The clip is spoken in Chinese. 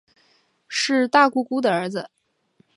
是大姑姑的儿子